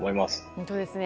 本当ですね。